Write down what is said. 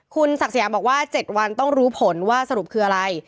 คุณศักดิ์สยามบอกว่า๗วันต้องรู้ผลว่าสรุปคืออะไร